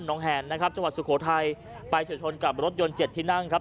งแหนนะครับจังหวัดสุโขทัยไปเฉียวชนกับรถยนต์เจ็ดที่นั่งครับ